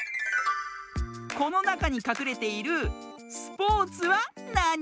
このなかにかくれている「スポーツ」はなに？